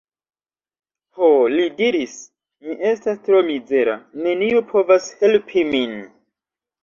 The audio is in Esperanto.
Ho, li diris, mi estas tro mizera; neniu povas helpi min.